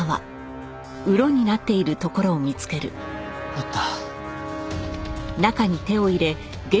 あった。